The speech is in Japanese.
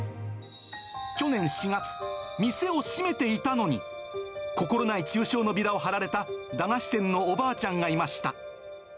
去年４月、店を閉めていたのに、心ない中傷のビラを貼られた駄菓子店のおばあちゃんがいました。